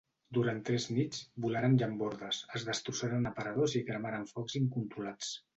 Durant tres nits, volaren llambordes, es destrossaren aparadors i cremaren focs incontrolats.